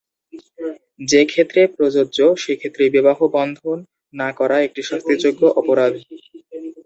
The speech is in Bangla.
যে ক্ষেত্রে প্রযোজ্য, সে ক্ষেত্রে বিবাহ নিবন্ধন না-করা একটি শাস্তিযোগ্য অপরাধ।